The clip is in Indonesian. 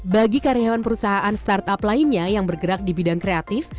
bagi karyawan perusahaan startup lainnya yang bergerak di bidang kreatif